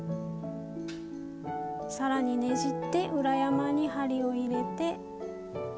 さらにねじって裏山に針を入れて。